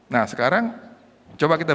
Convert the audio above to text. nah sekarang coba kita